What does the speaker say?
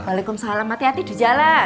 waalaikumsalam hati hati di jalan